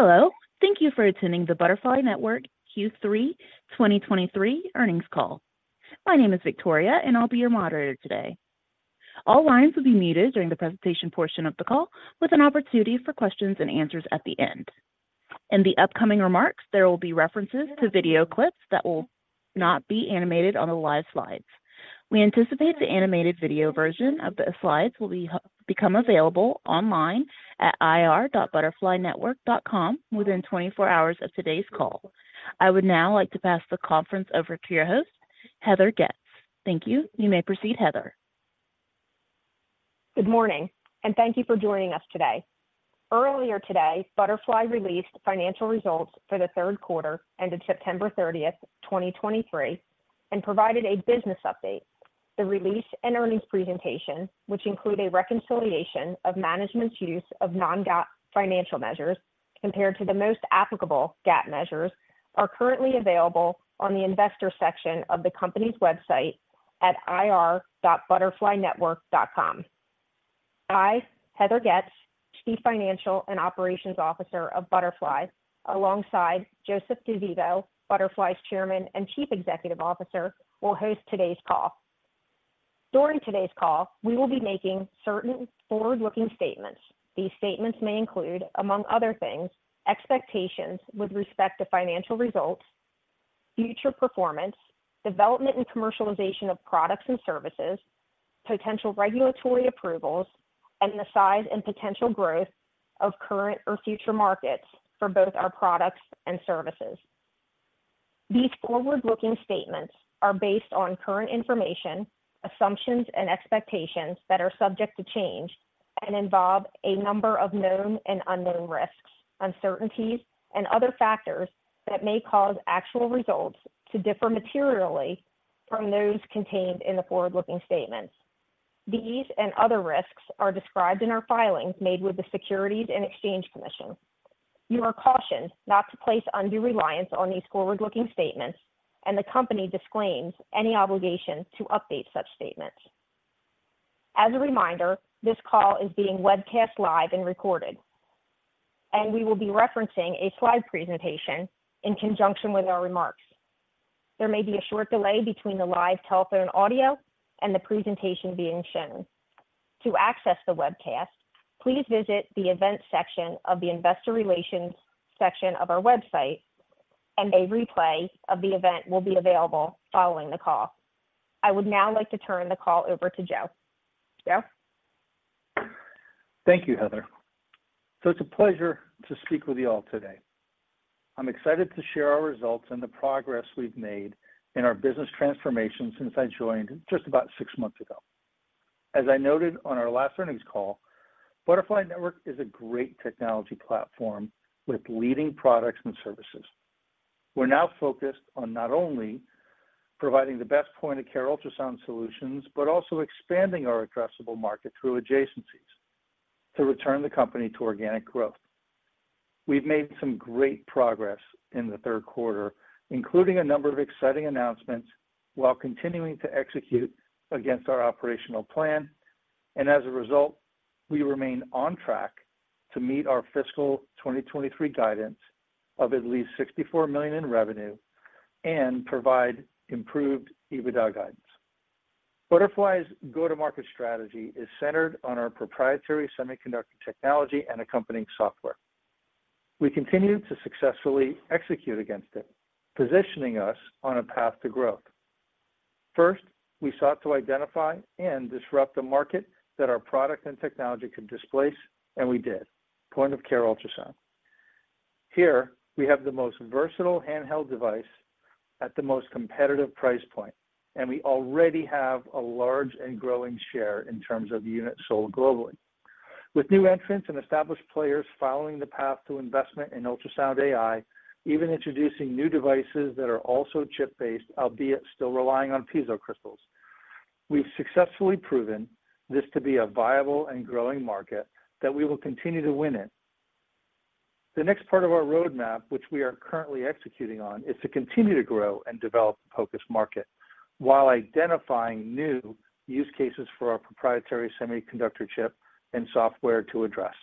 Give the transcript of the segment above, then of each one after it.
Hello, thank you for attending the Butterfly Network Q3 2023 earnings call. My name is Victoria, and I'll be your moderator today. All lines will be muted during the presentation portion of the call, with an opportunity for questions and answers at the end. In the upcoming remarks, there will be references to video clips that will not be animated on the live slides. We anticipate the animated video version of the slides will become available online at ir.butterflynetwork.com within 24 hours of today's call. I would now like to pass the conference over to your host, Heather Getz. Thank you. You may proceed, Heather. Good morning, and thank you for joining us today. Earlier today, Butterfly released financial results for the third quarter ended September 30, 2023, and provided a business update. The release and earnings presentation, which include a reconciliation of management's use of non-GAAP financial measures compared to the most applicable GAAP measures, are currently available on the investor section of the company's website at ir.butterflynetwork.com. I, Heather Getz, Chief Financial and Operations Officer of Butterfly, alongside Joseph DeVivo, Butterfly's Chairman and Chief Executive Officer, will host today's call. During today's call, we will be making certain forward-looking statements. These statements may include, among other things, expectations with respect to financial results, future performance, development and commercialization of products and services, potential regulatory approvals, and the size and potential growth of current or future markets for both our products and services. These forward-looking statements are based on current information, assumptions and expectations that are subject to change and involve a number of known and unknown risks, uncertainties, and other factors that may cause actual results to differ materially from those contained in the forward-looking statements. These and other risks are described in our filings made with the Securities and Exchange Commission. You are cautioned not to place undue reliance on these forward-looking statements, and the company disclaims any obligation to update such statements. As a reminder, this call is being webcast live and recorded, and we will be referencing a slide presentation in conjunction with our remarks. There may be a short delay between the live telephone audio and the presentation being shown. To access the webcast, please visit the Events section of the Investor Relations section of our website, and a replay of the event will be available following the call. I would now like to turn the call over to Joe. Joe? Thank you, Heather. So it's a pleasure to speak with you all today. I'm excited to share our results and the progress we've made in our business transformation since I joined just about six months ago. As I noted on our last earnings call, Butterfly Network is a great technology platform with leading products and services. We're now focused on not only providing the best point-of-care ultrasound solutions, but also expanding our addressable market through adjacencies to return the company to organic growth. We've made some great progress in the third quarter, including a number of exciting announcements, while continuing to execute against our operational plan, and as a result, we remain on track to meet our fiscal 2023 guidance of at least $64 million in revenue and provide improved EBITDA guidance. Butterfly's go-to-market strategy is centered on our proprietary semiconductor technology and accompanying software. We continue to successfully execute against it, positioning us on a path to growth. First, we sought to identify and disrupt a market that our product and technology could displace, and we did: point-of-care ultrasound. Here, we have the most versatile handheld device at the most competitive price point, and we already have a large and growing share in terms of units sold globally. With new entrants and established players following the path to investment in ultrasound AI, even introducing new devices that are also chip-based, albeit still relying on piezo crystals, we've successfully proven this to be a viable and growing market that we will continue to win in. The next part of our roadmap, which we are currently executing on, is to continue to grow and develop the POCUS market while identifying new use cases for our proprietary semiconductor chip and software to address.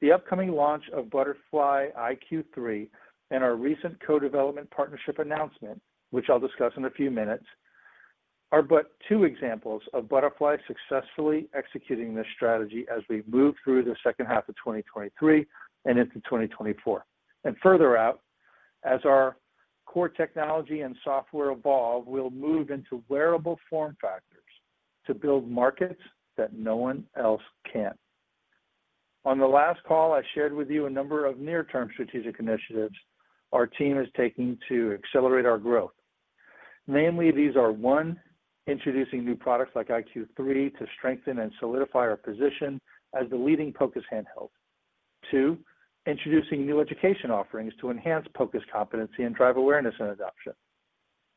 The upcoming launch of Butterfly iQ3 and our recent co-development partnership announcement, which I'll discuss in a few minutes, are but two examples of Butterfly successfully executing this strategy as we move through the second half of 2023 and into 2024. Further out, as our core technology and software evolve, we'll move into wearable form factors to build markets that no one else can. On the last call, I shared with you a number of near-term strategic initiatives our team is taking to accelerate our growth. Namely, these are, one, introducing new products like iQ3 to strengthen and solidify our position as the leading POCUS handheld. Two, introducing new education offerings to enhance POCUS competency and drive awareness and adoption.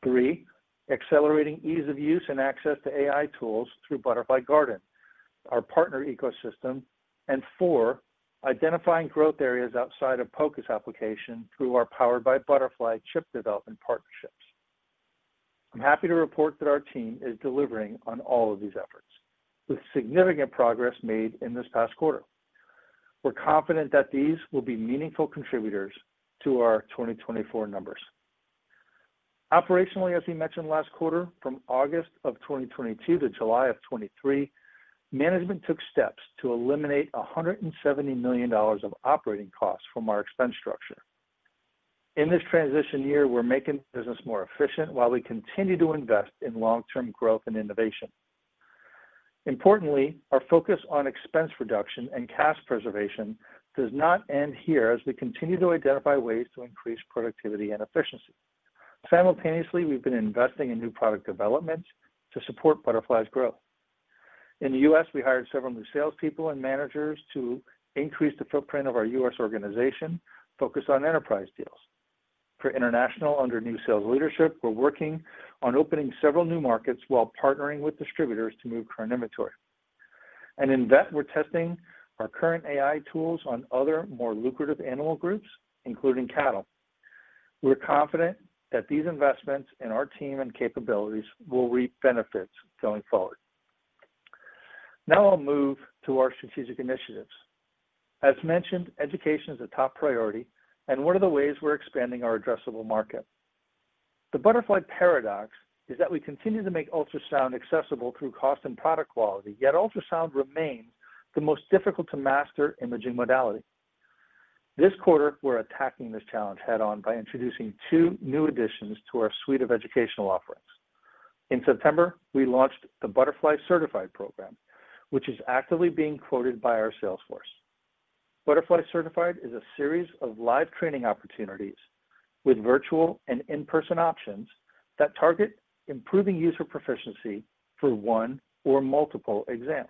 Three, accelerating ease of use and access to AI tools through Butterfly Garden, our partner ecosystem. Four, identifying growth areas outside of POCUS application through our Powered by Butterfly chip development partnerships. I'm happy to report that our team is delivering on all of these efforts, with significant progress made in this past quarter. We're confident that these will be meaningful contributors to our 2024 numbers. Operationally, as we mentioned last quarter, from August of 2022 to July of 2023, management took steps to eliminate $170 million of operating costs from our expense structure. In this transition year, we're making the business more efficient while we continue to invest in long-term growth and innovation. Importantly, our focus on expense reduction and cash preservation does not end here as we continue to identify ways to increase productivity and efficiency. Simultaneously, we've been investing in new product development to support Butterfly's growth. In the U.S., we hired several new salespeople and managers to increase the footprint of our U.S. organization, focus on enterprise deals. For international, under new sales leadership, we're working on opening several new markets while partnering with distributors to move current inventory. And in vet, we're testing our current AI tools on other more lucrative animal groups, including cattle. We're confident that these investments in our team and capabilities will reap benefits going forward. Now I'll move to our strategic initiatives. As mentioned, education is a top priority and one of the ways we're expanding our addressable market. The Butterfly paradox is that we continue to make ultrasound accessible through cost and product quality, yet ultrasound remains the most difficult to master imaging modality. This quarter, we're attacking this challenge head-on by introducing two new additions to our suite of educational offerings. In September, we launched the Butterfly Certified Program, which is actively being quoted by our sales force. Butterfly Certified is a series of live training opportunities with virtual and in-person options that target improving user proficiency for one or multiple exams.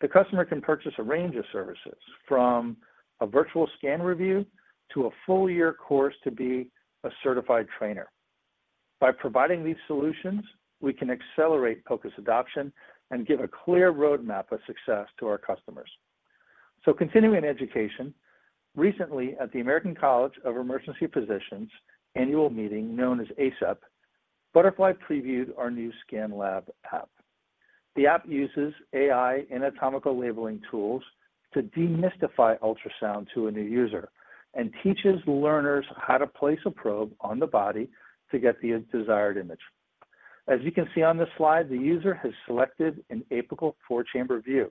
The customer can purchase a range of services, from a virtual scan review to a full year course to be a certified trainer. By providing these solutions, we can accelerate focus adoption and give a clear roadmap of success to our customers. So continuing education, recently at the American College of Emergency Physicians annual meeting, known as ACEP, Butterfly previewed our new ScanLab app. The app uses AI and anatomical labeling tools to demystify ultrasound to a new user, and teaches learners how to place a probe on the body to get the desired image. As you can see on this slide, the user has selected an Apical four-chamber view.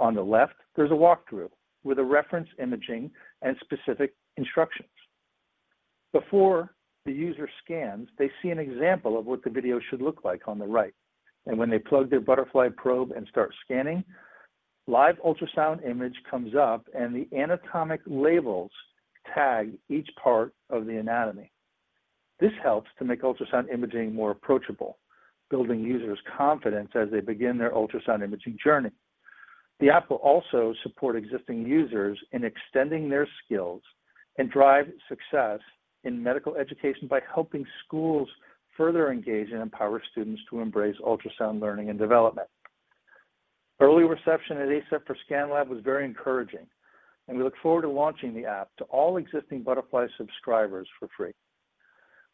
On the left, there's a walkthrough with a reference imaging and specific instructions. Before the user scans, they see an example of what the video should look like on the right, and when they plug their Butterfly probe and start scanning, live ultrasound image comes up, and the anatomic labels tag each part of the anatomy. This helps to make ultrasound imaging more approachable, building users' confidence as they begin their ultrasound imaging journey. The app will also support existing users in extending their skills and drive success in medical education by helping schools further engage and empower students to embrace ultrasound learning and development. Early reception at ACEP for ScanLab was very encouraging, and we look forward to launching the app to all existing Butterfly subscribers for free.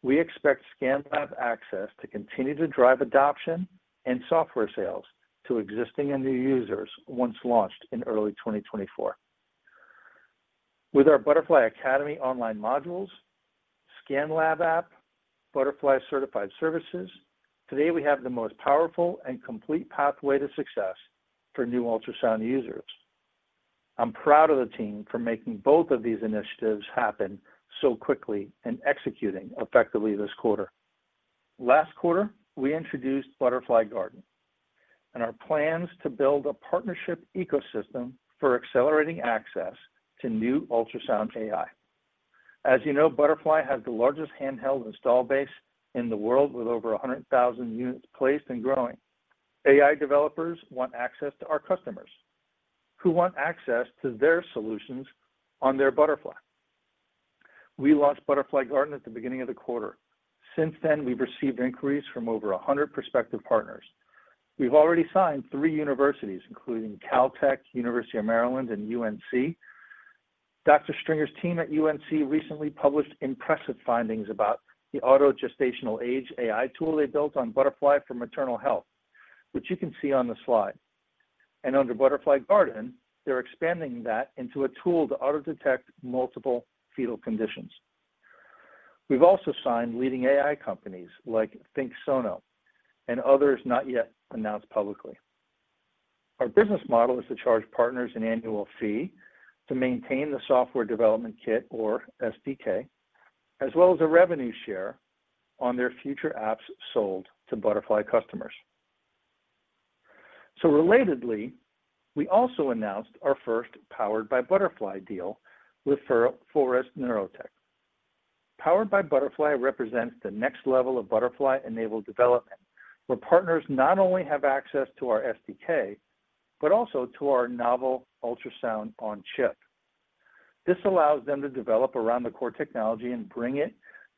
We expect ScanLab access to continue to drive adoption and software sales to existing and new users once launched in early 2024. With our Butterfly Academy online modules, ScanLab app, Butterfly Certified services, today we have the most powerful and complete pathway to success for new ultrasound users. I'm proud of the team for making both of these initiatives happen so quickly and executing effectively this quarter. Last quarter, we introduced Butterfly Garden, and our plans to build a partnership ecosystem for accelerating access to new ultrasound AI. As you know, Butterfly has the largest handheld install base in the world, with over 100,000 units placed and growing. AI developers want access to our customers, who want access to their solutions on their Butterfly. We launched Butterfly Garden at the beginning of the quarter. Since then, we've received inquiries from over 100 prospective partners. We've already signed three universities, including Caltech, University of Maryland, and UNC. Dr. Stringer's team at UNC recently published impressive findings about the auto gestational age AI tool they built on Butterfly for maternal health, which you can see on the slide. Under Butterfly Garden, they're expanding that into a tool to auto-detect multiple fetal conditions. We've also signed leading AI companies like ThinkSono and others not yet announced publicly. Our business model is to charge partners an annual fee to maintain the software development kit or SDK, as well as a revenue share on their future apps sold to Butterfly customers. So relatedly, we also announced our first Powered by Butterfly deal with Forest Neurotech. Powered by Butterfly represents the next level of Butterfly-enabled development, where partners not only have access to our SDK, but also to our novel Ultrasound-on-Chip. This allows them to develop around the core technology and bring it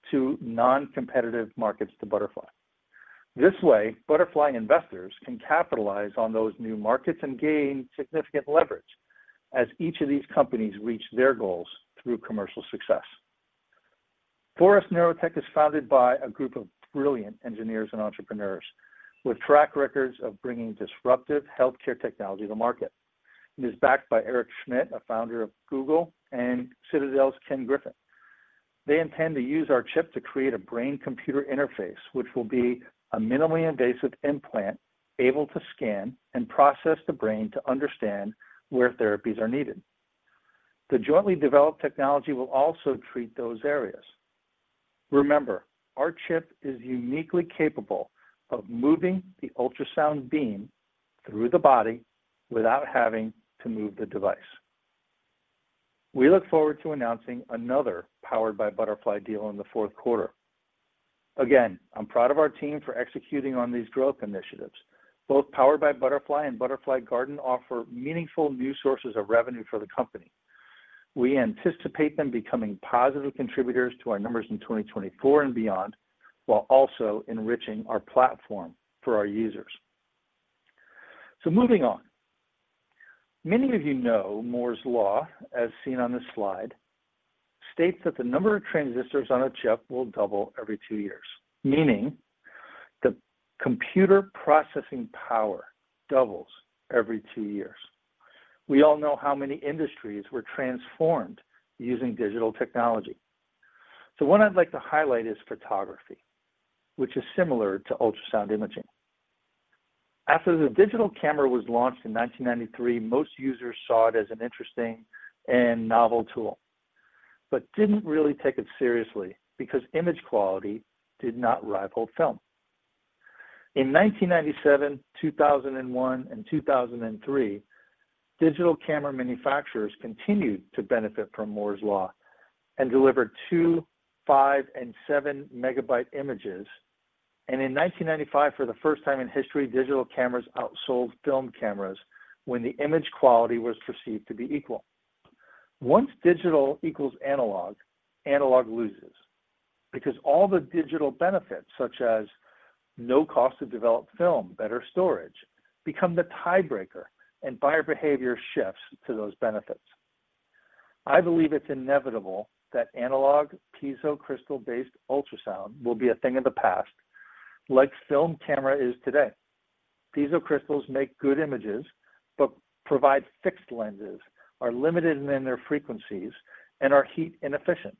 to non-competitive markets to Butterfly. This way, Butterfly investors can capitalize on those new markets and gain significant leverage as each of these companies reach their goals through commercial success. Forest Neurotech is founded by a group of brilliant engineers and entrepreneurs with track records of bringing disruptive healthcare technology to market. It is backed by Eric Schmidt, a founder of Google, and Citadel's Ken Griffin. They intend to use our chip to create a brain-computer interface, which will be a minimally invasive implant able to scan and process the brain to understand where therapies are needed. The jointly developed technology will also treat those areas. Remember, our chip is uniquely capable of moving the ultrasound beam through the body without having to move the device. We look forward to announcing another Powered by Butterfly deal in the fourth quarter. Again, I'm proud of our team for executing on these growth initiatives. Both Powered by Butterfly and Butterfly Garden offer meaningful new sources of revenue for the company. We anticipate them becoming positive contributors to our numbers in 2024 and beyond, while also enriching our platform for our users. So moving on. Many of you know Moore's Law, as seen on this slide, states that the number of transistors on a chip will double every two years, meaning the computer processing power doubles every two years. We all know how many industries were transformed using digital technology. So what I'd like to highlight is photography, which is similar to ultrasound imaging. After the digital camera was launched in 1993, most users saw it as an interesting and novel tool, but didn't really take it seriously because image quality did not rival film. In 1997, 2001, and 2003, digital camera manufacturers continued to benefit from Moore's Law and delivered 2, 5, and 7 MB images. In 1995, for the first time in history, digital cameras outsold film cameras when the image quality was perceived to be equal. Once digital equals analog, analog loses, because all the digital benefits, such as no cost to develop film, better storage, become the tiebreaker and buyer behavior shifts to those benefits. I believe it's inevitable that analog piezoelectric crystals ultrasound will be a thing of the past, like film camera is today. Piezo crystals make good images, but provide fixed lenses, are limited in their frequencies, and are heat inefficient.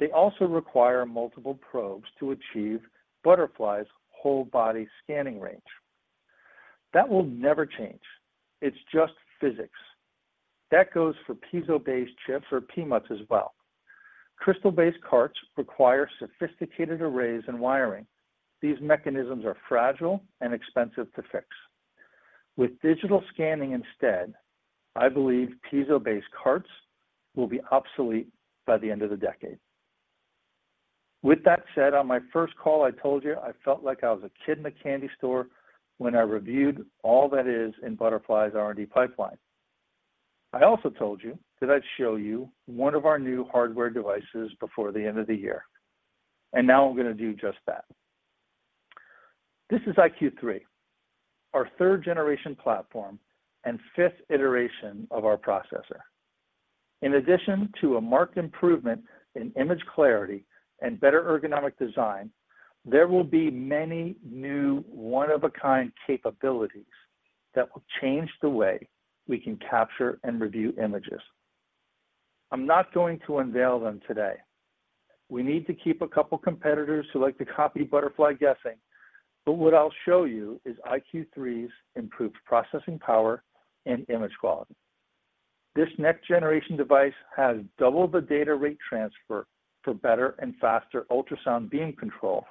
They also require multiple probes to achieve Butterfly's whole body scanning range. That will never change. It's just physics. That goes for piezoelectric-based chips or PMUTs as well. Crystal-based carts require sophisticated arrays and wiring. These mechanisms are fragile and expensive to fix. With digital scanning instead, I believe piezo-based carts will be obsolete by the end of the decade. With that said, on my first call, I told you I felt like I was a kid in a candy store when I reviewed all that is in Butterfly's R&D pipeline. I also told you that I'd show you one of our new hardware devices before the end of the year, and now I'm gonna do just that. This is iQ3, our third generation platform and fifth iteration of our processor. In addition to a marked improvement in image clarity and better ergonomic design, there will be many new one-of-a-kind capabilities that will change the way we can capture and review images. I'm not going to unveil them today. We need to keep a couple competitors who like to copy Butterfly guessing, but what I'll show you is iQ3's improved processing power and image quality. This next generation device has double the data rate transfer for better and faster ultrasound beam control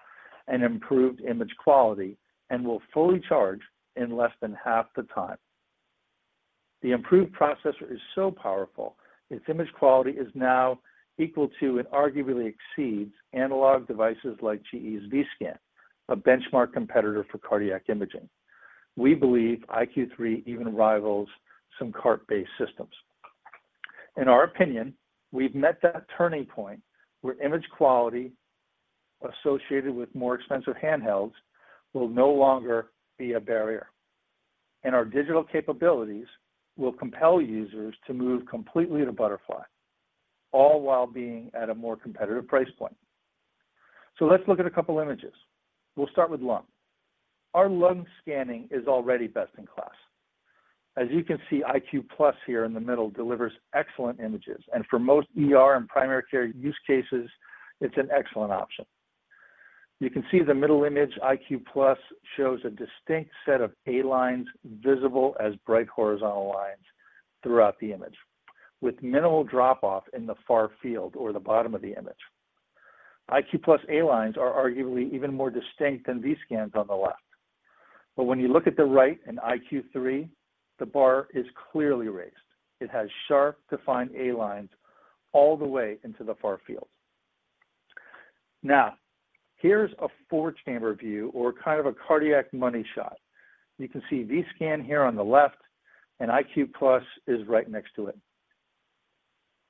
and improved image quality, and will fully charge in less than half the time. The improved processor is so powerful, its image quality is now equal to, and arguably exceeds, analog devices like GE's Vscan, a benchmark competitor for cardiac imaging. We believe iQ3 even rivals some cart-based systems. In our opinion, we've met that turning point where image quality associated with more expensive handhelds will no longer be a barrier, and our digital capabilities will compel users to move completely to Butterfly, all while being at a more competitive price point. So let's look at a couple images. We'll start with lung. Our lung scanning is already best-in-class. As you can see, iQ+ here in the middle delivers excellent images, and for most ER and primary care use cases, it's an excellent option. You can see the middle image, iQ+, shows a distinct set of A-lines visible as bright horizontal lines throughout the image, with minimal drop-off in the far field or the bottom of the image. iQ+ A-lines are arguably even more distinct than Vscan's on the left. But when you look at the right in iQ3, the bar is clearly raised. It has sharp, defined A-lines all the way into the far field. Now, here's a four-chamber view or kind of a cardiac money shot. You can see Vscan here on the left, and iQ+ is right next to it.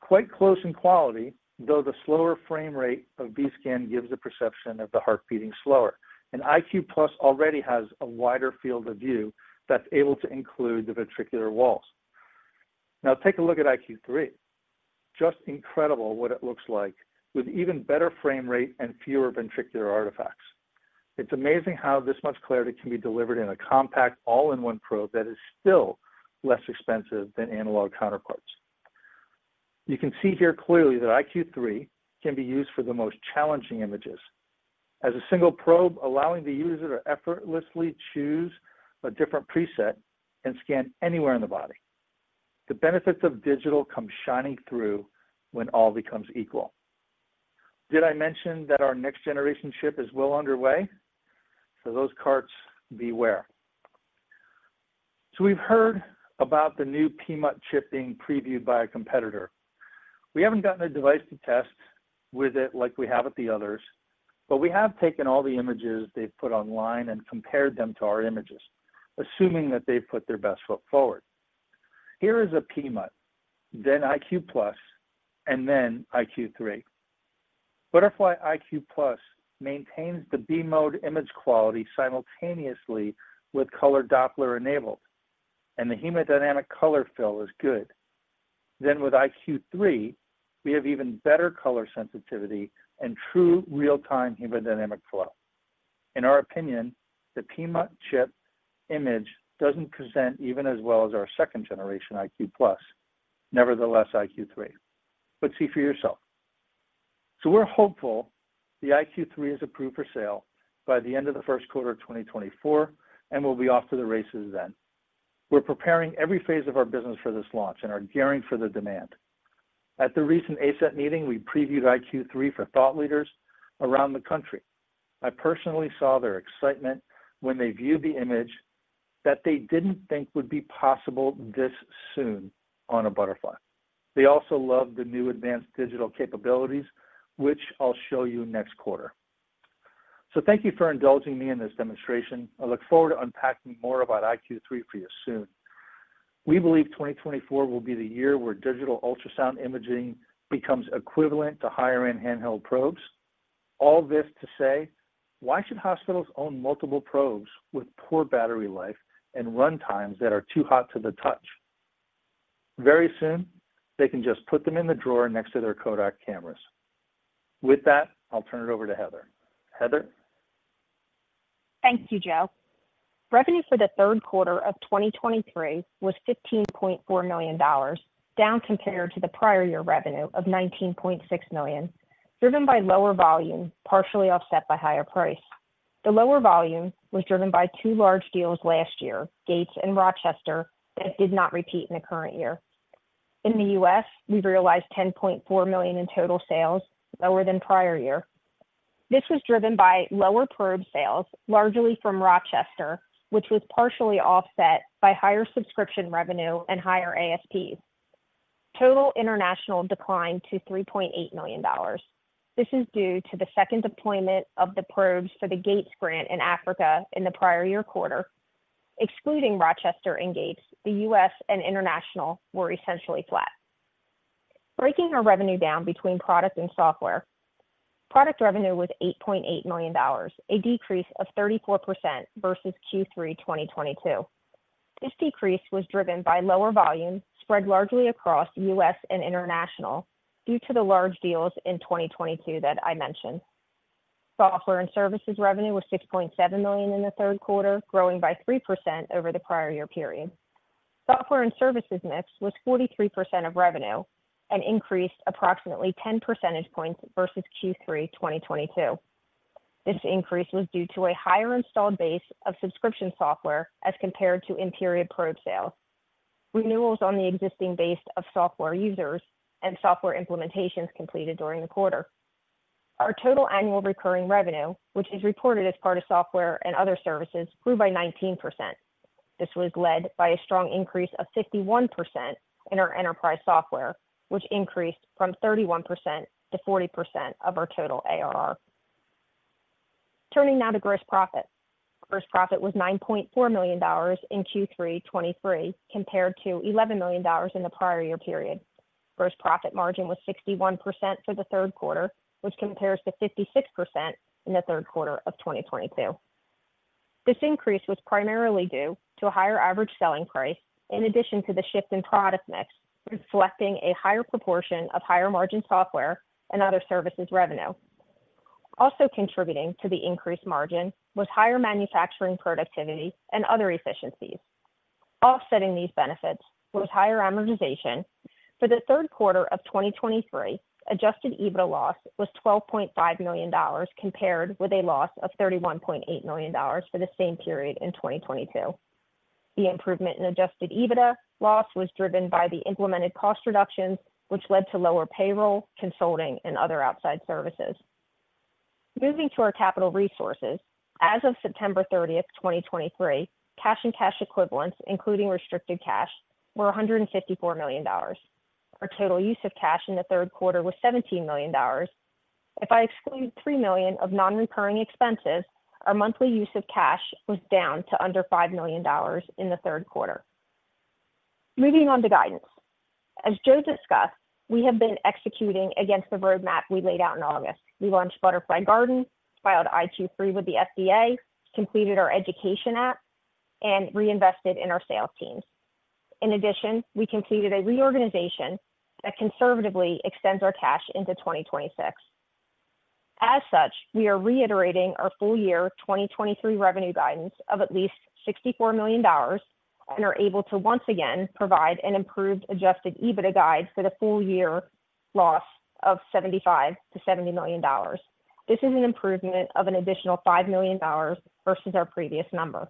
Quite close in quality, though the slower frame rate of Vscan gives the perception of the heart beating slower. And iQ+ already has a wider field of view that's able to include the ventricular walls. Now, take a look at iQ3. Just incredible what it looks like, with even better frame rate and fewer ventricular artifacts. It's amazing how this much clarity can be delivered in a compact, all-in-one probe that is still less expensive than analog counterparts. You can see here clearly that iQ3 can be used for the most challenging images. As a single probe, allowing the user to effortlessly choose a different preset and scan anywhere in the body. The benefits of digital come shining through when all becomes equal. Did I mention that our next generation chip is well underway? So those carts, beware. So we've heard about the new PMUT chip being previewed by a competitor. We haven't gotten a device to test with it like we have with the others, but we have taken all the images they've put online and compared them to our images, assuming that they've put their best foot forward. Here is a PMUT, then iQ+, and then iQ3. Butterfly iQ+ maintains the B-mode image quality simultaneously with Color Doppler enabled, and the hemodynamic color fill is good. Then with iQ3, we have even better color sensitivity and true real-time hemodynamic flow. In our opinion, the PMUT chip image doesn't present even as well as our second-generation iQ+, nevertheless, iQ3. But see for yourself. So we're hopeful the iQ3 is approved for sale by the end of the first quarter of 2024, and we'll be off to the races then. We're preparing every phase of our business for this launch and are gearing for the demand. At the recent ACEP meeting, we previewed iQ3 for thought leaders around the country. I personally saw their excitement when they viewed the image that they didn't think would be possible this soon on a Butterfly. They also loved the new advanced digital capabilities, which I'll show you next quarter. So thank you for indulging me in this demonstration. I look forward to unpacking more about iQ3 for you soon. We believe 2024 will be the year where digital ultrasound imaging becomes equivalent to higher-end handheld probes. All this to say, why should hospitals own multiple probes with poor battery life and runtimes that are too hot to the touch? Very soon, they can just put them in the drawer next to their Kodak cameras. With that, I'll turn it over to Heather. Heather? Thank you, Joe. Revenue for the third quarter of 2023 was $15.4 million, down compared to the prior year revenue of $19.6 million, driven by lower volume, partially offset by higher price. The lower volume was driven by two large deals last year, Gates and Rochester, that did not repeat in the current year. In the U.S., we realized $10.4 million in total sales, lower than prior year. This was driven by lower probe sales, largely from Rochester, which was partially offset by higher subscription revenue and higher ASPs. Total international declined to $3.8 million. This is due to the second deployment of the probes for the Gates grant in Africa in the prior year quarter. Excluding Rochester and Gates, the U.S. and international were essentially flat. Breaking our revenue down between product and software. Product revenue was $8.8 million, a decrease of 34% versus Q3 2022. This decrease was driven by lower volume spread largely across U.S. and international due to the large deals in 2022 that I mentioned. Software and services revenue was $6.7 million in the third quarter, growing by 3% over the prior year period. Software and services mix was 43% of revenue and increased approximately 10 percentage points versus Q3 2022. This increase was due to a higher installed base of subscription software as compared to in-period probe sales, renewals on the existing base of software users, and software implementations completed during the quarter. Our total annual recurring revenue, which is reported as part of software and other services, grew by 19%. This was led by a strong increase of 51% in our enterprise software, which increased from 31% to 40% of our total ARR. Turning now to gross profit. Gross profit was $9.4 million in Q3 2023, compared to $11 million in the prior year period. Gross profit margin was 61% for the third quarter, which compares to 56% in the third quarter of 2022. This increase was primarily due to a higher average selling price, in addition to the shift in product mix, reflecting a higher proportion of higher-margin software and other services revenue. Also contributing to the increased margin was higher manufacturing productivity and other efficiencies. Offsetting these benefits was higher amortization. For the third quarter of 2023, adjusted EBITDA loss was $12.5 million, compared with a loss of $31.8 million for the same period in 2022. The improvement in adjusted EBITDA loss was driven by the implemented cost reductions, which led to lower payroll, consulting, and other outside services. Moving to our capital resources, as of September 30, 2023, cash and cash equivalents, including restricted cash, were $154 million. Our total use of cash in the third quarter was $17 million. If I exclude $3 million of non-recurring expenses, our monthly use of cash was down to under $5 million in the third quarter. Moving on to guidance. As Joe discussed, we have been executing against the roadmap we laid out in August. We launched Butterfly Garden, filed iQ3 with the FDA, completed our education app, and reinvested in our sales teams. In addition, we completed a reorganization that conservatively extends our cash into 2026. As such, we are reiterating our full year 2023 revenue guidance of at least $64 million, and are able to once again provide an improved Adjusted EBITDA guide for the full year loss of $75 million-$70 million. This is an improvement of an additional $5 million versus our previous number.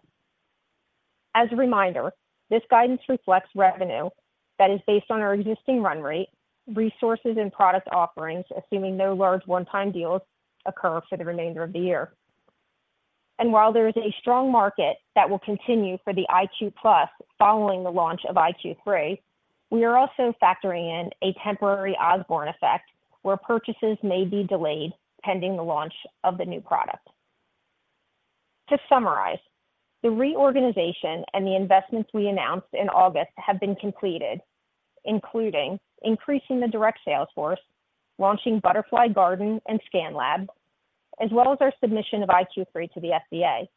As a reminder, this guidance reflects revenue that is based on our existing run rate, resources, and product offerings, assuming no large one-time deals occur for the remainder of the year. While there is a strong market that will continue for the iQ+ following the launch of iQ3, we are also factoring in a temporary Osborne effect, where purchases may be delayed pending the launch of the new product. To summarize, the reorganization and the investments we announced in August have been completed, including increasing the direct sales force, launching Butterfly Garden and ScanLab, as well as our submission of iQ3 to the FDA.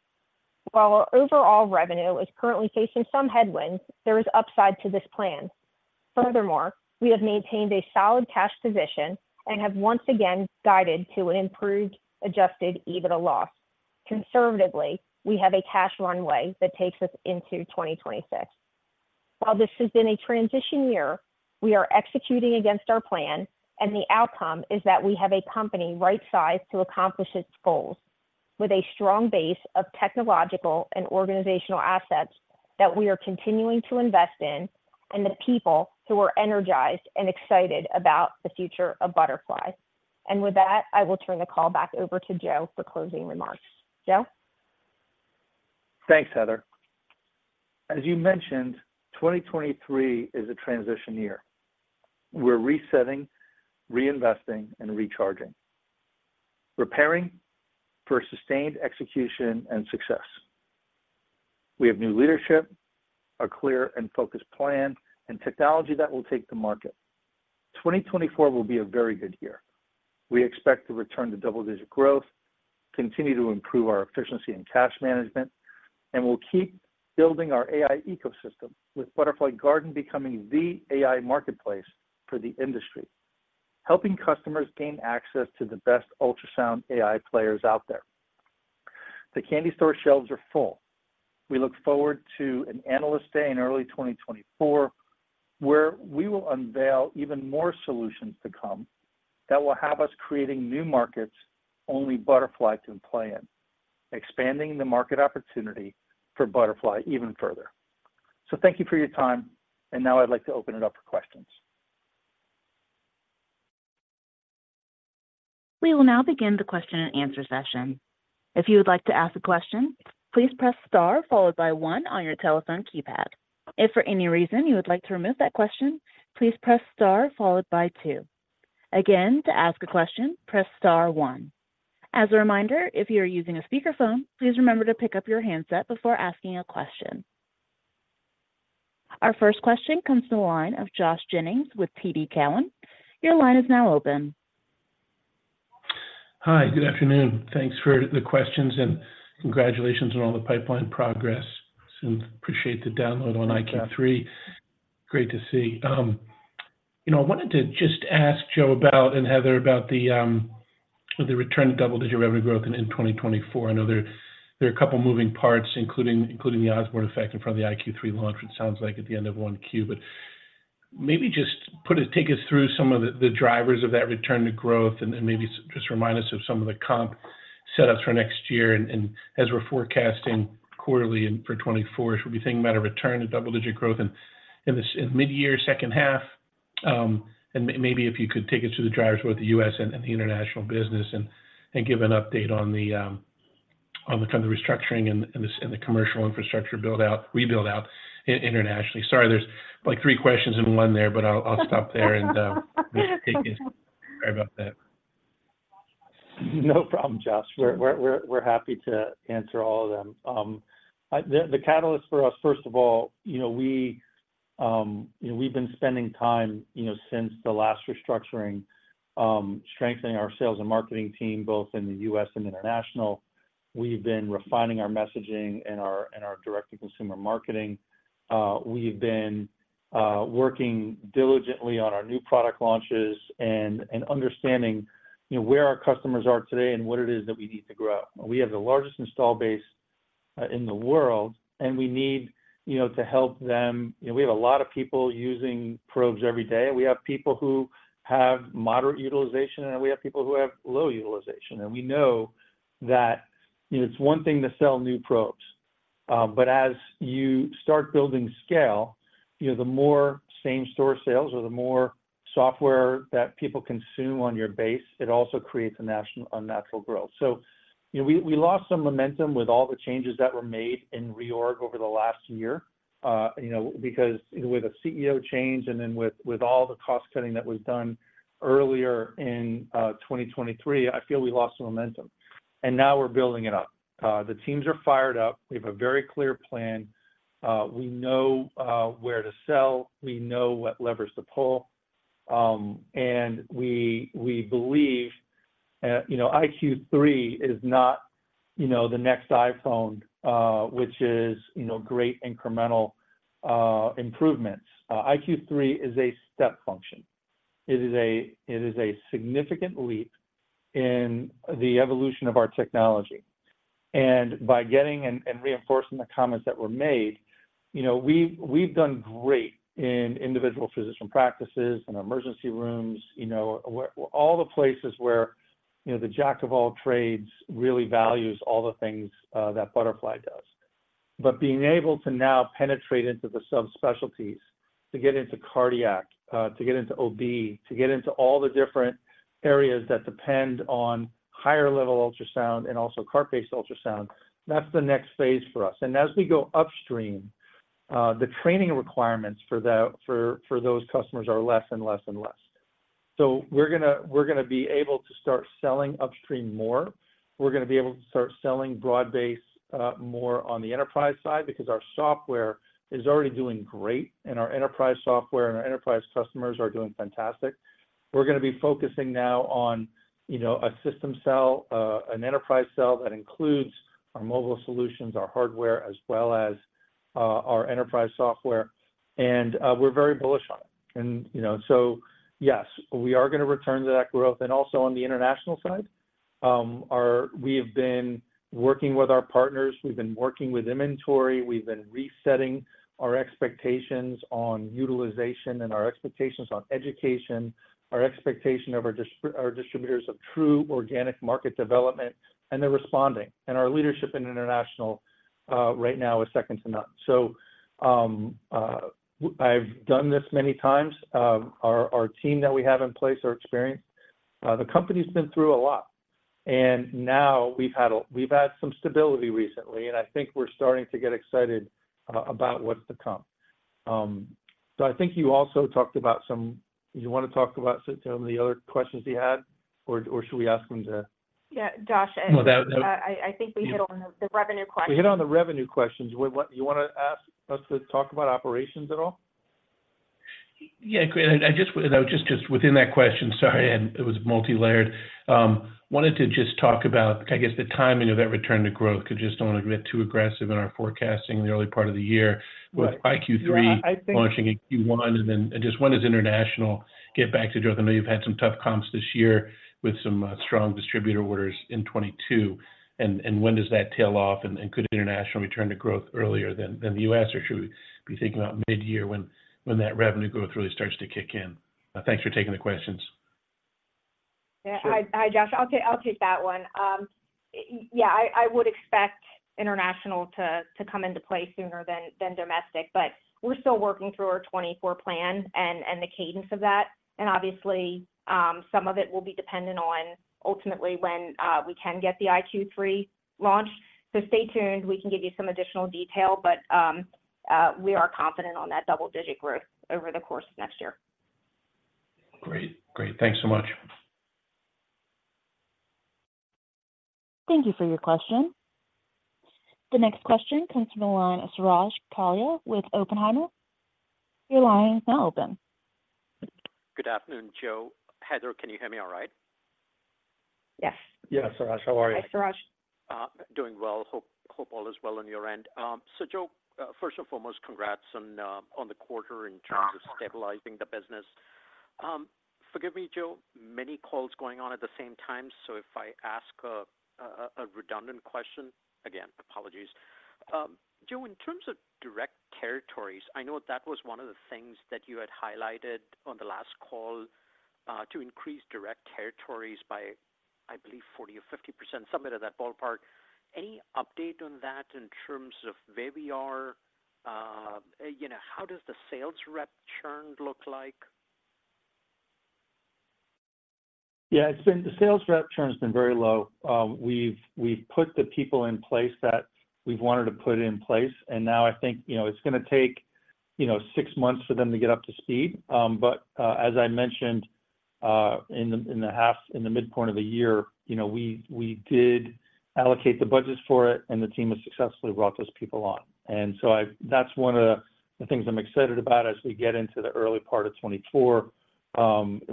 While our overall revenue is currently facing some headwinds, there is upside to this plan. Furthermore, we have maintained a solid cash position and have once again guided to an improved, Adjusted EBITDA loss. Conservatively, we have a cash runway that takes us into 2026. While this has been a transition year, we are executing against our plan, and the outcome is that we have a company right-sized to accomplish its goals, with a strong base of technological and organizational assets that we are continuing to invest in, and the people who are energized and excited about the future of Butterfly. And with that, I will turn the call back over to Joe for closing remarks. Joe? Thanks, Heather. As you mentioned, 2023 is a transition year. We're resetting, reinvesting, and recharging, preparing for sustained execution and success. We have new leadership, a clear and focused plan, and technology that will take the market. 2024 will be a very good year. We expect to return to double-digit growth, continue to improve our efficiency and cash management, and we'll keep building our AI ecosystem, with Butterfly Garden becoming the AI marketplace for the industry, helping customers gain access to the best ultrasound AI players out there. The candy store shelves are full. We look forward to an Analyst Day in early 2024, where we will unveil even more solutions to come that will have us creating new markets only Butterfly can play in, expanding the market opportunity for Butterfly even further. Thank you for your time, and now I'd like to open it up for questions. We will now begin the question and answer session. If you would like to ask a question, please press star followed by one on your telephone keypad. If for any reason you would like to remove that question, please press star followed by two. Again, to ask a question, press star one. As a reminder, if you are using a speakerphone, please remember to pick up your handset before asking a question. Our first question comes to the line of Josh Jennings with TD Cowen. Your line is now open. Hi, good afternoon. Thanks for the questions, and congratulations on all the pipeline progress. So appreciate the download on iQ3. Great to see. You know, I wanted to just ask Joe about, and Heather, about the return to double-digit revenue growth in 2024. I know there are a couple moving parts, including the Osborne effect in front of the iQ3 launch, it sounds like at the end of 1Q.But maybe just take us through some of the drivers of that return to growth, and then maybe just remind us of some of the comp setups for next year. And as we're forecasting quarterly and for 2024, should we be thinking about a return to double-digit growth in midyear, second half? Maybe if you could take us through the drivers for the U.S. and the international business, and give an update on the kind of restructuring and the commercial infrastructure build-out, rebuild-out internationally. Sorry, there's like three questions in one there, but I'll stop there and just take it. Sorry about that. No problem, Josh. We're happy to answer all of them. The catalyst for us, first of all, you know, we've been spending time, you know, since the last restructuring, strengthening our sales and marketing team, both in the U.S. and international. We've been refining our messaging and our direct-to-consumer marketing. We've been working diligently on our new product launches and understanding, you know, where our customers are today and what it is that we need to grow. We have the largest install base in the world, and we need, you know, to help them. You know, we have a lot of people using probes every day. We have people who have moderate utilization, and we have people who have low utilization. We know that, you know, it's one thing to sell new probes, but as you start building scale, you know, the more same-store sales or the more software that people consume on your base, it also creates unnatural growth. You know, we lost some momentum with all the changes that were made in reorg over the last year, you know, because with a CEO change and then with all the cost cutting that was done earlier in 2023, I feel we lost some momentum, and now we're building it up. The teams are fired up. We have a very clear plan. We know where to sell, we know what levers to pull, and we believe, you know, iQ3 is not the next iPhone, which is great incremental improvements. iQ3 is a step function. It is a significant leap in the evolution of our technology. And by getting and reinforcing the comments that were made, you know, we've done great in individual physician practices and emergency rooms, you know, where all the places where, you know, the jack of all trades really values all the things that Butterfly does. But being able to now penetrate into the subspecialties, to get into cardiac, to get into OB, to get into all the different areas that depend on higher level ultrasound and also cart-based ultrasound, that's the next phase for us. As we go upstream, the training requirements for those customers are less and less and less. So we're gonna be able to start selling upstream more. We're gonna be able to start selling broad-based more on the enterprise side because our software is already doing great, and our enterprise software and our enterprise customers are doing fantastic. We're gonna be focusing now on, you know, a system sell, an enterprise sell that includes our mobile solutions, our hardware, as well as our enterprise software. And we're very bullish on it. And, you know, so yes, we are gonna return to that growth. Also on the international side, we have been working with our partners, we've been working with inventory, we've been resetting our expectations on utilization and our expectations on education, our expectation of our distributors of true organic market development, and they're responding. Our leadership in international right now is second to none. So, I've done this many times. Our team that we have in place are experienced. The company's been through a lot, and now we've had some stability recently, and I think we're starting to get excited about what's to come. So I think you also talked about some... Do you want to talk about some, the other questions he had, or should we ask him to- Yeah, Josh, I- No, that, no- I think we hit on the revenue questions. We hit on the revenue questions. What, you want to ask us to talk about operations at all? Yeah, great. I just within that question, sorry, and it was multilayered. Wanted to just talk about, I guess, the timing of that return to growth. I just don't want to get too aggressive in our forecasting in the early part of the year- Right. - with iQ3- I think- launching Q1, and then just when does international get back to growth? I know you've had some tough comps this year with some strong distributor orders in 2022. And when does that tail off, and could international return to growth earlier than the U.S., or should we be thinking about midyear when that revenue growth really starts to kick in? Thanks for taking the questions. Yeah. Sure. Hi, Josh. I'll take that one. Yeah, I would expect international to come into play sooner than domestic, but we're still working through our 2024 plan and the cadence of that. Obviously, some of it will be dependent on ultimately when we can get the iQ3 launched. So stay tuned, we can give you some additional detail, but we are confident on that double-digit growth over the course of next year. Great. Great. Thanks so much. Thank you for your question. The next question comes from the line of Suraj Kalia with Oppenheimer. Your line is now open. Good afternoon, Joe. Heather, can you hear me all right? Yes. Yes, Suraj, how are you? Hi, Suraj. Doing well. Hope all is well on your end. So Joe, first and foremost, congrats on the quarter in terms- Thank you.... of stabilizing the business. Forgive me, Joe. Many calls going on at the same time, so if I ask a redundant question, again, apologies. Joe, in terms of direct territories, I know that was one of the things that you had highlighted on the last call, to increase direct territories by, I believe, 40% or 50%, somewhere to that ballpark. Any update on that in terms of where we are? You know, how does the sales rep churn look like? Yeah, it's been the sales rep churn has been very low. We've put the people in place that we've wanted to put in place, and now I think, you know, it's gonna take, you know, six months for them to get up to speed. But as I mentioned in the midpoint of the year, you know, we did allocate the budgets for it, and the team has successfully brought those people on. And so that's one of the things I'm excited about as we get into the early part of 2024.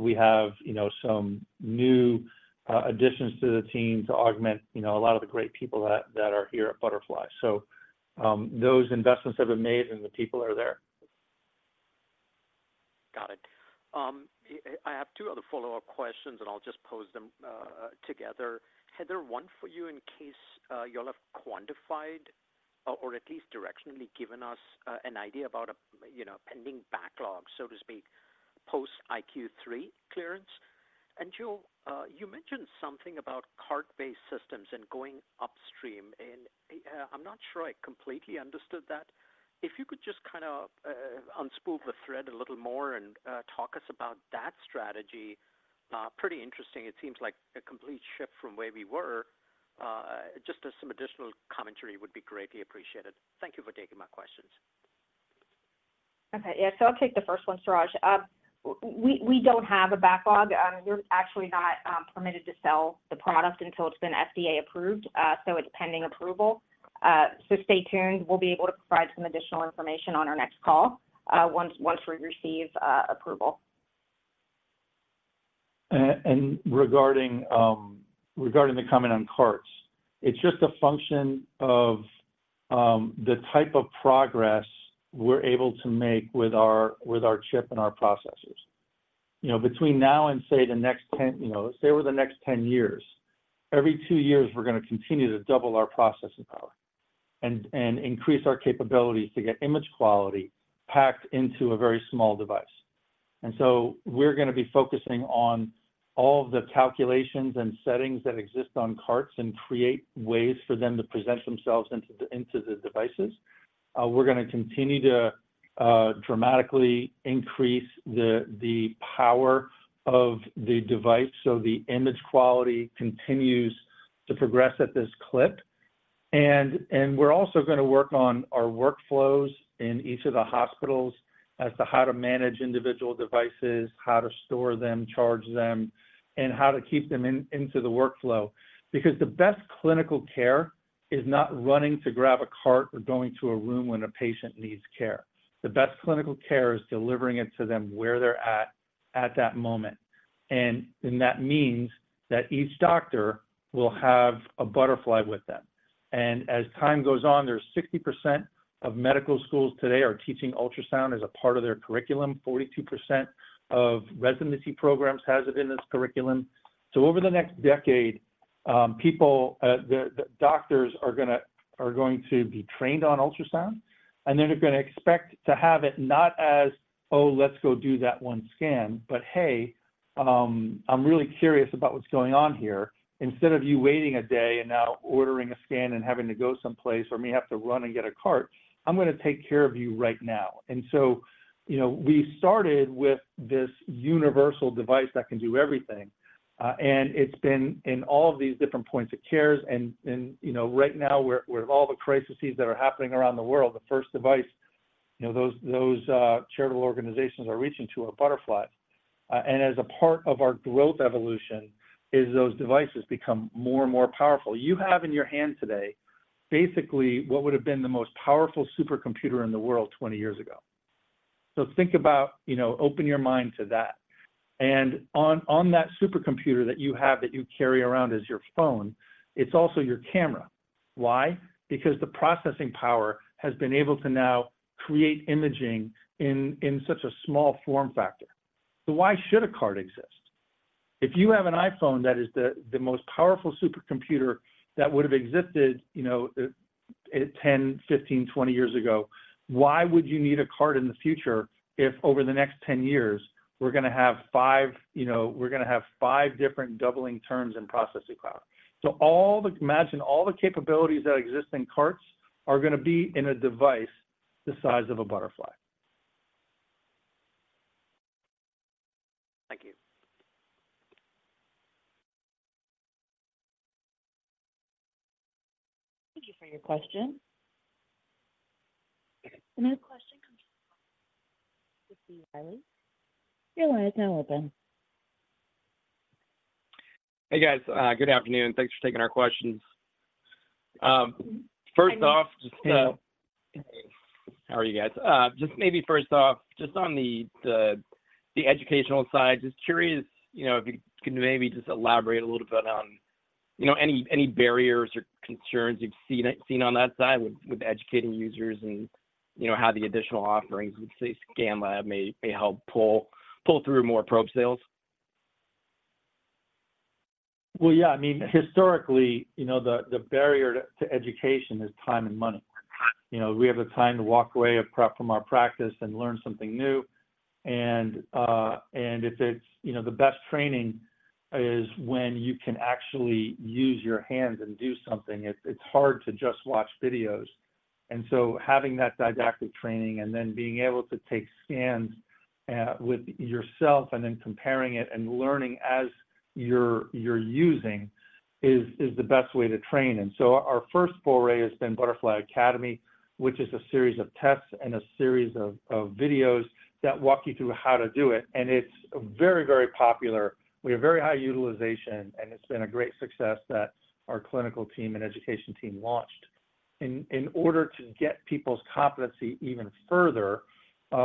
We have, you know, some new additions to the team to augment, you know, a lot of the great people that are here at Butterfly. So those investments have been made, and the people are there. Got it. I have two other follow-up questions, and I'll just pose them together. Heather, one for you, in case you all have quantified or at least directionally given us an idea about a, you know, pending backlog, so to speak, post iQ3 clearance. And Joe, you mentioned something about cart-based systems and going upstream, and I'm not sure I completely understood that. If you could just kind of unspool the thread a little more and talk us about that strategy. Pretty interesting. It seems like a complete shift from where we were. Just as some additional commentary would be greatly appreciated. Thank you for taking my questions. Okay, yeah. So I'll take the first one, Suraj. We don't have a backlog. We're actually not permitted to sell the product until it's been FDA approved, so it's pending approval. So stay tuned. We'll be able to provide some additional information on our next call once we receive approval. And regarding the comment on carts, it's just a function of the type of progress we're able to make with our chip and our processors. You know, between now and say, the next 10, you know, say over the next 10 years, every two years, we're gonna continue to double our processing power and increase our capabilities to get image quality packed into a very small device. And so we're gonna be focusing on all the calculations and settings that exist on carts and create ways for them to present themselves into the devices. We're gonna continue to dramatically increase the power of the device, so the image quality continues to progress at this clip. and we're also gonna work on our workflows in each of the hospitals as to how to manage individual devices, how to store them, charge them, and how to keep them into the workflow. Because the best clinical care is not running to grab a cart or going to a room when a patient needs care. The best clinical care is delivering it to them where they're at, at that moment. And then that means that each doctor will have a Butterfly with them. And as time goes on, there's 60% of medical schools today are teaching ultrasound as a part of their curriculum. 42% of residency programs has it in its curriculum. So over the next decade, people, the doctors are going to be trained on ultrasound, and then they're gonna expect to have it not as, "Oh, let's go do that one scan," but, "Hey, I'm really curious about what's going on here." Instead of you waiting a day and now ordering a scan and having to go someplace or may have to run and get a cart, I'm gonna take care of you right now. And so, you know, we started with this universal device that can do everything, and it's been in all of these different points of care and, you know, right now, we're with all the crises that are happening around the world, the first device charitable organizations are reaching for is Butterfly. And as a part of our growth evolution, is those devices become more and more powerful. You have in your hand today, basically, what would have been the most powerful supercomputer in the world 20 years ago. So think about, you know, open your mind to that. And on, on that supercomputer that you have, that you carry around as your phone, it's also your camera. Why? Because the processing power has been able to now create imaging in, in such a small form factor. So why should a cart exist? If you have an iPhone that is the, the most powerful supercomputer that would have existed, you know, 10, 15, 20 years ago, why would you need a cart in the future if over the next 10 years, we're gonna have five you know, we're gonna have five different doubling terms in processing power? So all the... Imagine all the capabilities that exist in carts are gonna be in a device the size of a Butterfly. Thank you. Thank you for your question. Another question comes from Riley. Your line is now open. Hey, guys. Good afternoon. Thanks for taking our questions. First off, just, How are you guys? Just maybe first off, just on the educational side, just curious, you know, if you can maybe just elaborate a little bit on, you know, any barriers or concerns you've seen on that side with educating users and, you know, how the additional offerings, let's say, ScanLab, may help pull through more probe sales? Well, yeah, I mean, historically, you know, the barrier to education is time and money. You know, we have the time to walk away from our practice and learn something new, and if it's, you know, the best training is when you can actually use your hands and do something. It's hard to just watch videos. And so having that didactic training and then being able to take scans with yourself and then comparing it and learning as you're using is the best way to train. And so our first foray has been Butterfly Academy, which is a series of tests and a series of videos that walk you through how to do it, and it's very, very popular. We have very high utilization, and it's been a great success that our clinical team and education team launched. In order to get people's competency even further,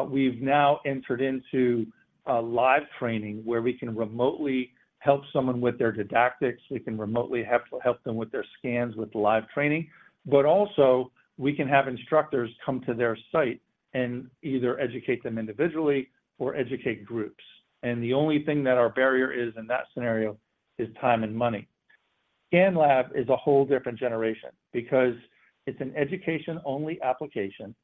we've now entered into a live training where we can remotely help someone with their didactics, we can remotely help them with their scans with live training, but also we can have instructors come to their site and either educate them individually or educate groups. The only thing that our barrier is in that scenario is time and money. ScanLab is a whole different generation because it's an education-only application,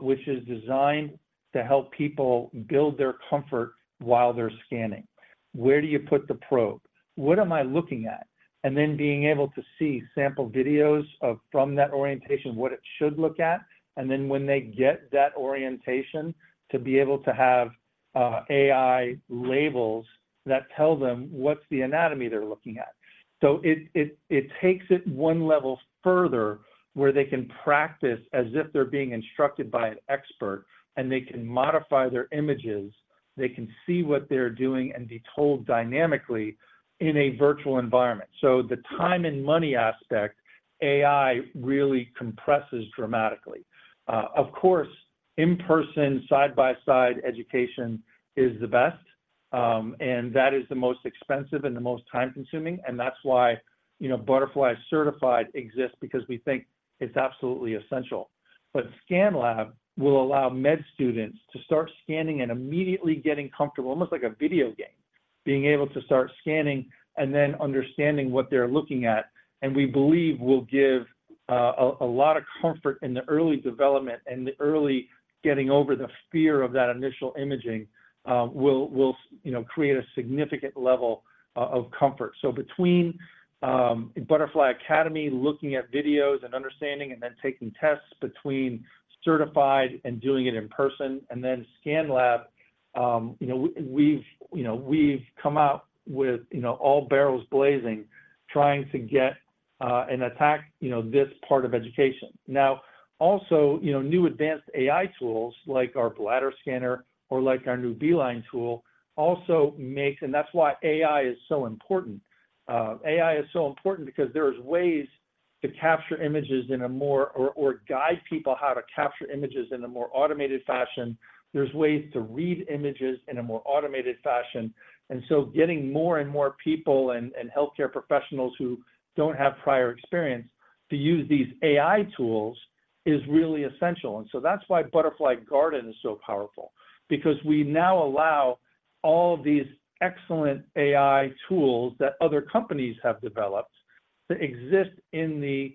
which is designed to help people build their comfort while they're scanning.... Where do you put the probe? What am I looking at? And then being able to see sample videos from that orientation, what it should look at, and then when they get that orientation, to be able to have AI labels that tell them what's the anatomy they're looking at. So it takes it one level further where they can practice as if they're being instructed by an expert, and they can modify their images, they can see what they're doing and be told dynamically in a virtual environment. The time and money aspect, AI really compresses dramatically. Of course, in-person, side-by-side education is the best, and that is the most expensive and the most time-consuming, and that's why, you know, Butterfly Certified exists because we think it's absolutely essential. But ScanLab will allow med students to start scanning and immediately getting comfortable, almost like a video game, being able to start scanning and then understanding what they're looking at, and we believe will give a lot of comfort in the early development and the early getting over the fear of that initial imaging, will you know create a significant level of comfort. So between Butterfly Academy, looking at videos and understanding and then taking tests between certified and doing it in person, and then ScanLab, you know, we've, you know, we've come out with, you know, all barrels blazing, trying to get and attack, you know, this part of education. Now, also, you know, new advanced AI tools like our bladder scanner or like our new B-Line tool, also makes and that's why AI is so important. AI is so important because there's ways to capture images in a more automated fashion or guide people how to capture images in a more automated fashion. There's ways to read images in a more automated fashion, and so getting more and more people and healthcare professionals who don't have prior experience to use these AI tools is really essential. And so that's why Butterfly Garden is so powerful, because we now allow all of these excellent AI tools that other companies have developed to exist in the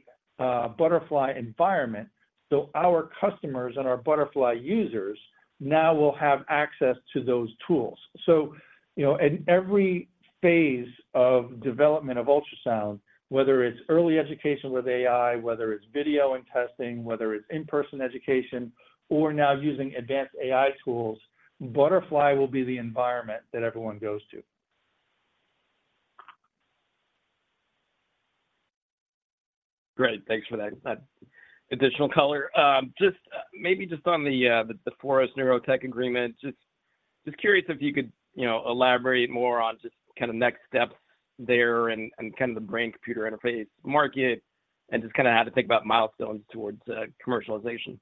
Butterfly environment, so our customers and our Butterfly users now will have access to those tools. So, you know, in every phase of development of ultrasound, whether it's early education with AI, whether it's video and testing, whether it's in-person education, or now using advanced AI tools, Butterfly will be the environment that everyone goes to. Great. Thanks for that, that additional color. Just, maybe just on the Forest Neurotech agreement, just curious if you could, you know, elaborate more on just kind of next steps there and kind of the brain computer interface market, and just kind of how to think about milestones towards commercialization?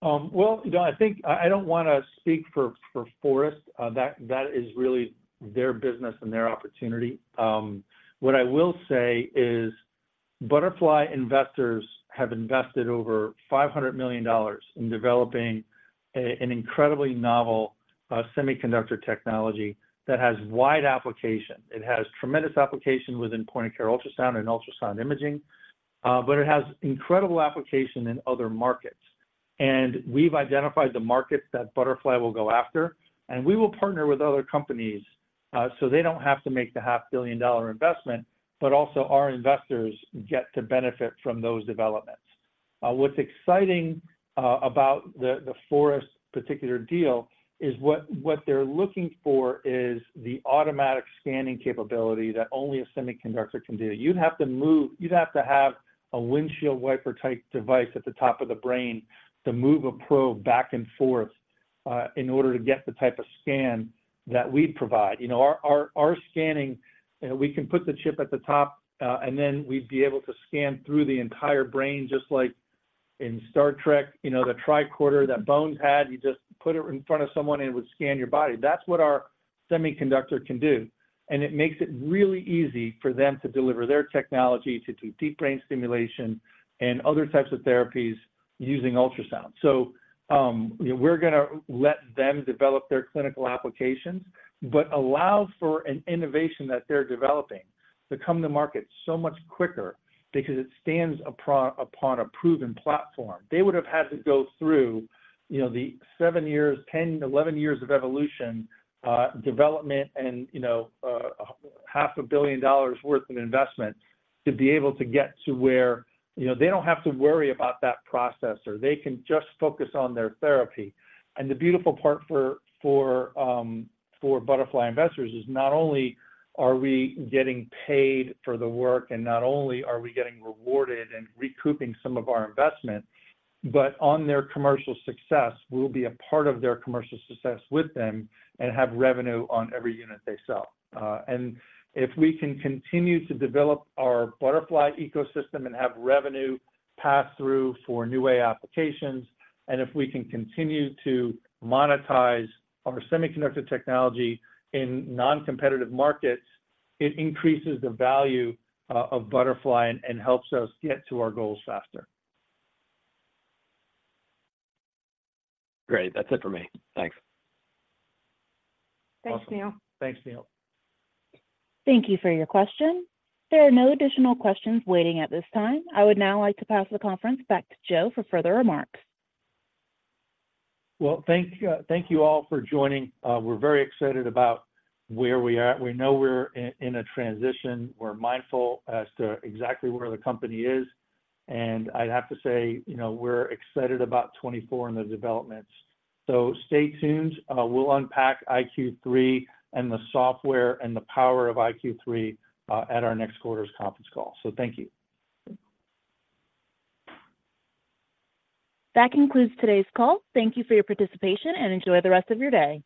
Well, you know, I think I don't wanna speak for Forest. That is really their business and their opportunity. What I will say is Butterfly investors have invested over $500 million in developing an incredibly novel semiconductor technology that has wide application. It has tremendous application within point-of-care ultrasound and ultrasound imaging, but it has incredible application in other markets. And we've identified the markets that Butterfly will go after, and we will partner with other companies, so they don't have to make the $500 million investment, but also our investors get to benefit from those developments. What's exciting about the Forest particular deal is what they're looking for is the automatic scanning capability that only a semiconductor can do. You'd have to move, you'd have to have a windshield wiper-type device at the top of the brain to move a probe back and forth, in order to get the type of scan that we provide. You know, our scanning, we can put the chip at the top, and then we'd be able to scan through the entire brain, just like in Star Trek, you know, the tricorder that Bones had, you just put it in front of someone, and it would scan your body. That's what our semiconductor can do, and it makes it really easy for them to deliver their technology to do deep brain stimulation and other types of therapies using ultrasound. So, you know, we're gonna let them develop their clinical applications, but allow for an innovation that they're developing to come to market so much quicker because it stands upon, upon a proven platform. They would have had to go through, you know, the seven years, 10, 11 years of evolution, development and, you know, $500 million worth of investment to be able to get to where... You know, they don't have to worry about that processor. They can just focus on their therapy. And the beautiful part for, for, for Butterfly investors is not only are we getting paid for the work, and not only are we getting rewarded and recouping some of our investment, but on their commercial success, we'll be a part of their commercial success with them and have revenue on every unit they sell. If we can continue to develop our Butterfly ecosystem and have revenue pass through for new AI applications, and if we can continue to monetize our semiconductor technology in non-competitive markets, it increases the value of Butterfly and helps us get to our goals faster. Great. That's it for me. Thanks. Awesome. Thanks, Neil. Thanks, Neil. Thank you for your question. There are no additional questions waiting at this time. I would now like to pass the conference back to Joe for further remarks. Well, thank you all for joining. We're very excited about where we are. We know we're in a transition. We're mindful as to exactly where the company is, and I'd have to say, you know, we're excited about 2024 and the developments. So stay tuned. We'll unpack iQ3 and the software and the power of iQ3 at our next quarter's conference call. So thank you. That concludes today's call. Thank you for your participation, and enjoy the rest of your day.